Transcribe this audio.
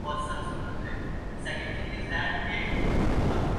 اگر حکومت یہ کام نہیں کررہی تو پھر باغی کررہے ہیں